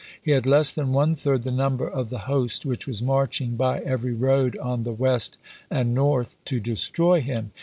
He had less than one third the number of the host which was marching by every road on the west and north to destroy him.